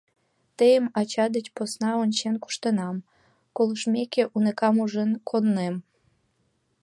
— Тыйым ача деч посна ончен куштенам, колымешкем уныкам ужын коднем.